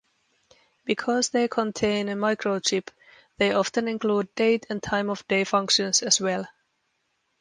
Because they contain a microchip, they often include date and time-of-day functions as well.